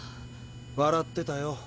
笑ってたよ。